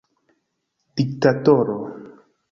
diktatoro